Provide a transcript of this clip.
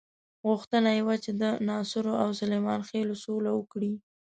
غوښتنه یې وه چې د ناصرو او سلیمان خېلو سوله وکړي.